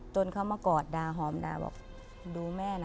จนเค้ามากอดดาดูแน่นะ